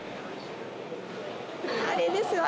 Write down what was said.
あれですよ